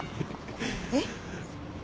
えっ？